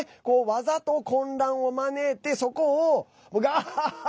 わざと混乱を招いてそこをガッハッハ！